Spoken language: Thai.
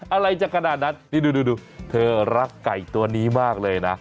อะไรจะขนาดนั้นนี่ดูเธอรักไก่ตัวนี้มากเลยนะ